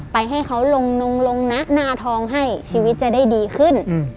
ให้เขาลงนงลงนะหน้าทองให้ชีวิตจะได้ดีขึ้น